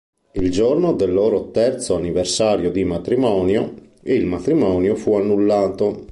Il giorno del loro terzo anniversario di matrimonio il matrimonio fu annullato.